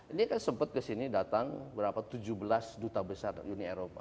ini kan sempat kesini datang berapa tujuh belas duta besar uni eropa